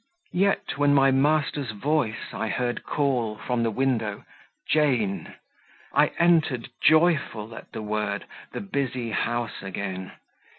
Yet, when my master's voice I heard Call, from the window, "Jane!" I entered, joyful, at the word, The busy house again.